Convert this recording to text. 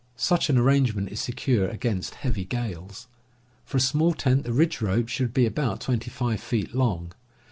Such an arrangement is secure against heavy gales. For a small tent the ridge rope should be about twenty five feet long.